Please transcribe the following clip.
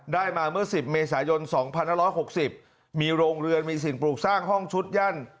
ได้มาเมื่อ๑๐เมษายน๒๕๖๐มีโรงเรือนมีสิ่งปลูกสร้างห้องชุดยั่น